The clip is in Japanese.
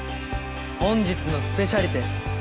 本日のスペシャリテ